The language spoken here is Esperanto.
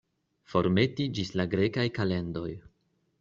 Formeti ĝis la grekaj kalendoj.